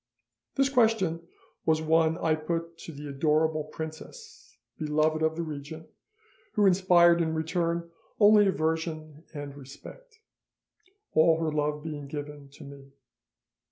"This question was one I put to the adorable princess, beloved of the regent, who inspired in return only aversion and respect, all her love being given to me.